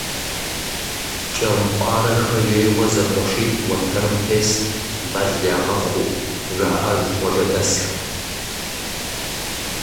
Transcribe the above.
КӀэмпӀарэхэ ейуэ зэкъуэшитӀ уэтэрым тест, мэл ягъэхъуу, жаӀэж къуажэдэсхэм.